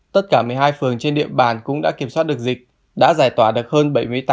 tất cả một mươi hai phường trên địa bàn cũng đã kiểm soát được dịch đã giải tỏa được hơn bảy mươi tám